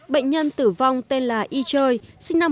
bệnh nhân thứ hai tử vong do sốt xuất huyết tại con tùm